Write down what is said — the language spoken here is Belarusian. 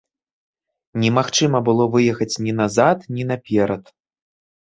Немагчыма было выехаць ні назад, ні наперад.